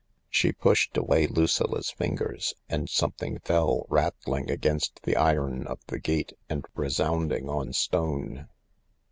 She pushed away Lucilla 's fingers, and something fell, rattling against the iron of the gate and resounding on stone.